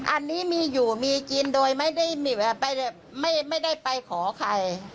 อันนี้มีอยู่มีกินโดยไม่ได้ไปขอใคร